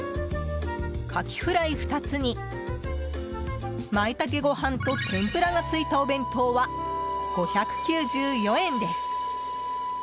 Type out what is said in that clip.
カキフライ２つにマイタケご飯と天ぷらがついたお弁当は５９４円です。